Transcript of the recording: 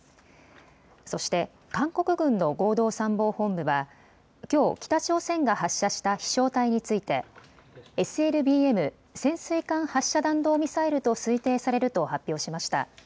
そして韓国軍の合同参謀本部はきょう北朝鮮が発射した飛しょう体についてＳＬＢＭ・潜水艦発射弾道ミサイルと推定されると発表しました。